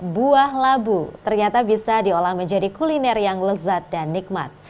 buah labu ternyata bisa diolah menjadi kuliner yang lezat dan nikmat